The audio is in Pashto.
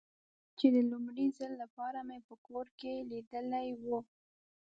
چې د لومړي ځل له پاره مې په کور کې لیدلی و.